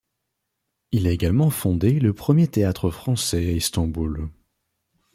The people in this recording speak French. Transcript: Il a également fondé le premier théâtre français à Istanbul.